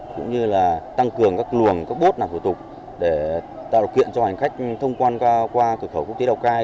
cũng như là tăng cường các luồng các bốt làm thủ tục để tạo điều kiện cho hành khách thông quan qua cửa khẩu quốc tế lào cai